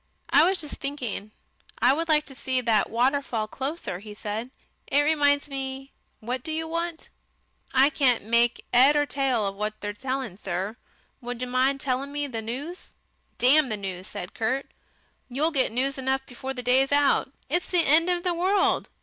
"I was just thinking I would like to see that waterfall closer," he said. "It reminds me what do you want?" "I can't make 'ead or tail of what they're saying, sir. Would you mind telling me the news?" "Damn the news," said Kurt. "You'll get news enough before the day's out. It's the end of the world.